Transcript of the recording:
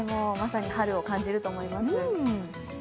まさに春を感じると思います。